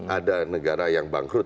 ada negara yang bangkrut